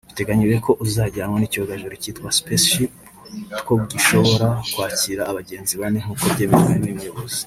Biteganyijwe ko uzajyanwa n’icyogajuru cyitwa SpaceShip Two gishobora kwakira abagenzi bane nk’uko byemejwe n’uyu muyobozi